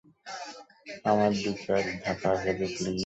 আমার দিকে একধাপ আগাবে, প্লিজ।